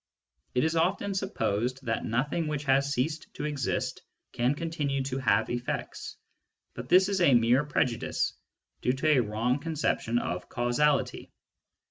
It is often supposed that nothing which has ceased to exist can continue to have effects, but this is a mere prejudice, due to a wrong conception of causality.